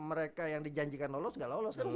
mereka yang dijanjikan lolos nggak lolos